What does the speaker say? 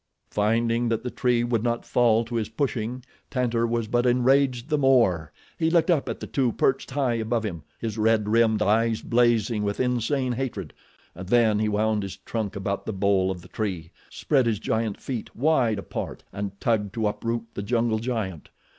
Finding that the tree would not fall to his pushing, Tantor was but enraged the more. He looked up at the two perched high above him, his red rimmed eyes blazing with insane hatred, and then he wound his trunk about the bole of the tree, spread his giant feet wide apart and tugged to uproot the jungle giant.